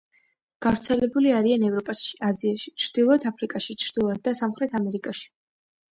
გავრცელებული არიან ევროპაში, აზიაში, ჩრდილოეთ აფრიკაში, ჩრდილოეთ და სამხრეთ ამერიკაში.